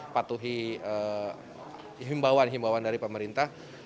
patuhi himbawan himbawan dari pemerintah